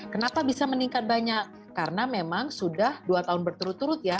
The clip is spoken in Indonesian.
kenapa bisa meningkat banyak karena memang sudah dua tahun berturut turut ya